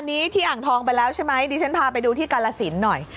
วันนี้ที่อ่างทองไปแล้วใช่ไหมดิฉันพาไปดูที่กาลสินหน่อย